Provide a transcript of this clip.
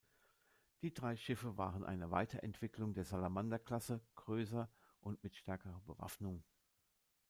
Die drei Schiffe waren eine Weiterentwicklung der "Salamander"-Klasse, größer und mit stärkerer Bewaffnung.